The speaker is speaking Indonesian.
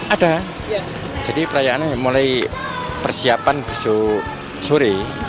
ada jadi perayaannya mulai persiapan besok sore